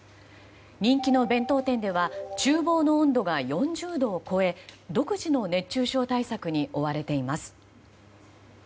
人気の弁当店では厨房の温度が４０度を超え独自の熱中症対策に追われています。